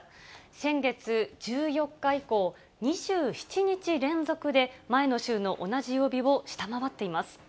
先月１４日以降、２７日連続で前の週の同じ曜日を下回っています。